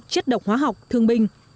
chất độc hóa học thương binh